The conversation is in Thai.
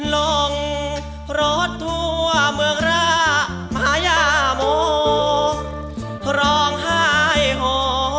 ลงรถทั่วเมืองรามหายาโมร้องไห้หอ